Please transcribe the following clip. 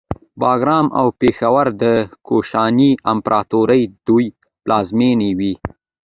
باګرام او پیښور د کوشاني امپراتورۍ دوه پلازمینې وې